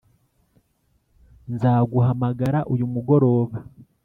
nzaguhamagara uyu mugoroba.